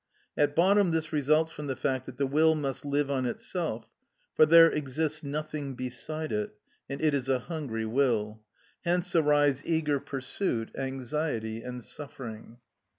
At bottom this results from the fact that the will must live on itself, for there exists nothing beside it, and it is a hungry will. Hence arise eager pursuit, anxiety, and suffering.